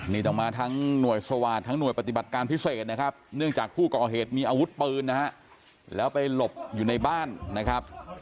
นี่ต้องมาทั้งหน่วยสวาสตร์ทั้งหน่วยปฏิบัติการพิเศษนะครับเนื่องจากผู้ก่อเหตุมีอาวุธปืนนะฮะแล้วไปหลบอยู่ในบ้านนะครับ